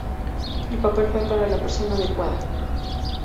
El papel fue para la persona adecuada.